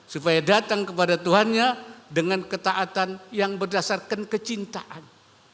supaya datang kepada tuhannya dengan ketaatan yang berdasarkan kecintaan